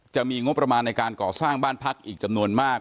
จะมีงบประมาณในการก่อสร้างบ้านพักอีกจำนวนมาก